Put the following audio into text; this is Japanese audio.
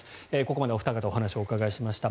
ここまでお二方にお話をお伺いしました。